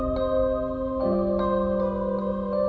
sila parti ya